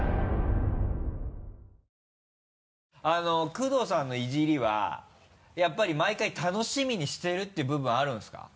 工藤さんのイジりはやっぱり毎回楽しみにしてるって部分はあるんですか？